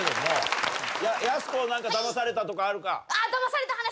やす子は何かだまされたとかあるか？